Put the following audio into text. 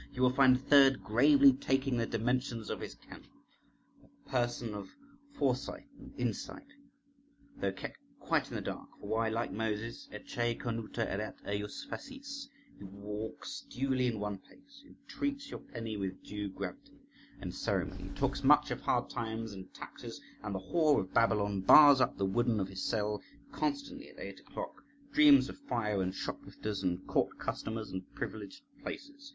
You will find a third gravely taking the dimensions of his kennel, a person of foresight and insight, though kept quite in the dark; for why, like Moses, Ecce cornuta erat ejus facies. He walks duly in one pace, entreats your penny with due gravity and ceremony, talks much of hard times, and taxes, and the whore of Babylon, bars up the wooden of his cell constantly at eight o'clock, dreams of fire, and shoplifters, and court customers, and privileged places.